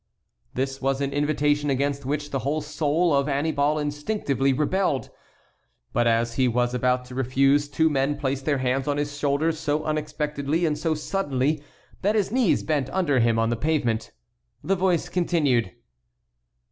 This was an invitation against which the whole soul of Annibal instinctively rebelled. But as he was about to refuse two men placed their hands on his shoulders so unexpectedly and so suddenly that his knees bent under him on the pavement. The voice continued.